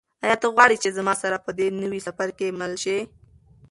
آیا ته غواړې چې زما سره په دې نوي سفر کې مل شې؟